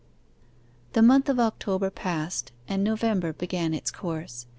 The month of October passed, and November began its course.